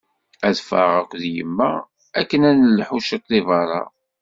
Ad ffɣeɣ akked yemma akken ad nelḥu ciṭ deg berra.